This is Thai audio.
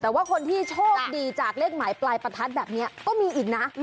แต่ว่าคนที่โชคดีจากเลขหมายปลายประทัดแบบนี้ก็มีอีกนะ